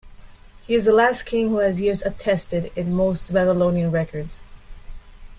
He is the last king who has years attested in most Babylonian records.